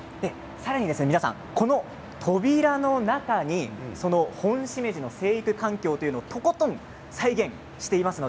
さらに皆さん、この扉の中にそのホンシメジの生育環境というものがとことん再現されています。